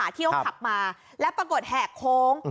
ที่เขาขับมาแล้วปรากฏแหกโค้ง